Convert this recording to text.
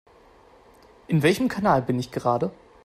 In welchem Kanal bin ich gerade?